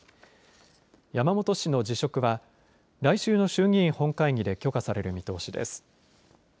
山本氏の辞職は来週の衆議院本会議で許可される見通しです。